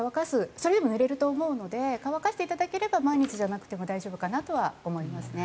それでもぬれると思うので乾かしていただければ毎日じゃなくても大丈夫だと思います。